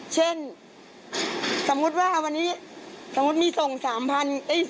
เช่นสมมุติว่าวันนี้สมมุติมีส่ง๓๐๐บาท